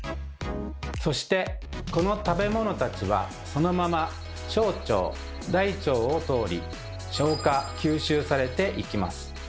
そしてこの食べ物たちはそのまま小腸大腸を通り消化吸収されていきます。